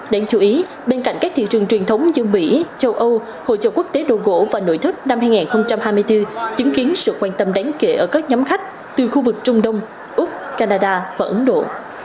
đáng chú ý bên cạnh các thị trường truyền thống như mỹ châu âu hội trợ quốc tế đồ gỗ và nội thất năm hai nghìn hai mươi bốn chứng kiến sự quan tâm đáng kể ở các nhóm khách từ khu vực trung đông úc canada và ấn độ